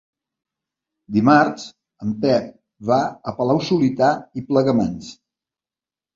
Dimarts en Pep va a Palau-solità i Plegamans.